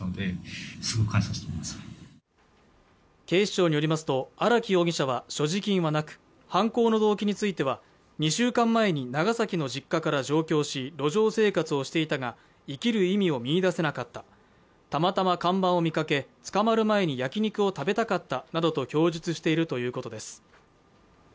警視庁によりますと、荒木容疑者は所持金はなく犯行の動機については２週間前に長崎の実家から上京し路上生活をしていたが、生きる意味を見出せなかった、たまたま看板を見かけ、捕まる前に焼き肉を食べたかったなどと供述しているということです。